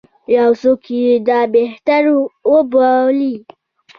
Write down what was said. یو څوک یې دا بهتر وبولي.